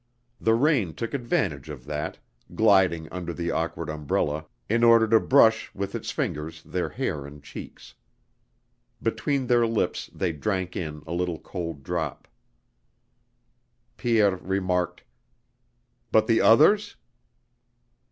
The rain took advantage of that, gliding under the awkward umbrella in order to brush with its fingers their hair and cheeks; between their lips they drank in a little cold drop. Pierre remarked: "But the others?"